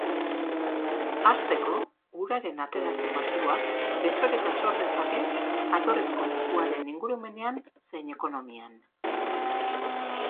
Hasteko, uraren ateratze masiboak desoreka sor dezake jatorrizko lekuaren ingurumenean zein ekonomian.